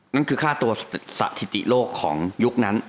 นั่นคือค่าตัวสถิติโลกของยุคนั้น